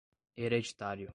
hereditário